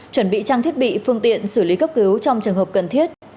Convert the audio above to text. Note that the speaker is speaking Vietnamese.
chuẩn bị trang thiết bị phương tiện xử lý cấp cứu trong trường hợp cần thiết